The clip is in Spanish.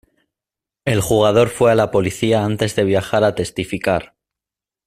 El jugador fue a la policía antes de viajar a testificar.